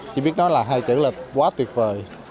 chỉ biết nói là hay chữ lịch quá tuyệt vời